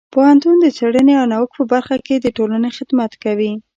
پوهنتون د څیړنې او نوښت په برخه کې د ټولنې خدمت کوي.